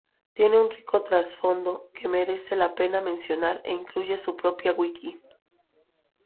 Tiene un rico trasfondo que merece la pena mencionar e incluye su propia Wiki.